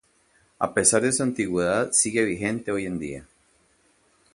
A pesar de su antigüedad, sigue vigente hoy en día.